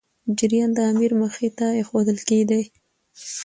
جریان د امیر مخي ته ایښودل کېدی.